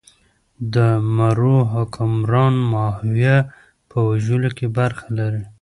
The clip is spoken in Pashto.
د مرو حکمران ماهویه په وژلو کې برخه لري.